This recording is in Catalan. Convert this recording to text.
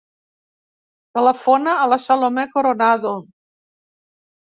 Telefona a la Salomé Coronado.